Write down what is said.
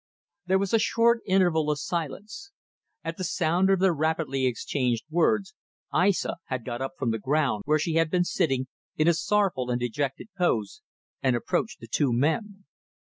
There was a short interval of silence. At the sound of their rapidly exchanged words, Aissa had got up from the ground where she had been sitting, in a sorrowful and dejected pose, and approached the two men.